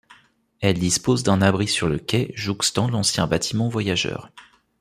Elle dispose d'un abri sur le quai jouxtant l'ancien bâtiment voyageurs.